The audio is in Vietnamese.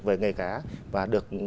về nghề cá và được